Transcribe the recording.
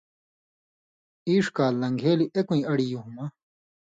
اِݜ کال لن٘گھیلیۡ اېکوئ اڑیۡ یُوں مہ